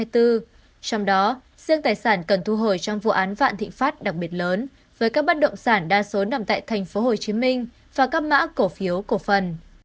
trong đó riêng tài sản cần thu hồi trong vụ án vạn thịnh pháp đặc biệt lớn với các bất động sản đa số nằm tại tp hcm và các mã cổ phiếu cổ phần